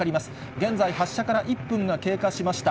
現在、発射から１分が経過しました。